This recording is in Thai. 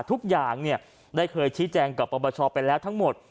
ทุกอย่างได้เคยชี้แจงกับประประชาไปแล้วทั้งหมด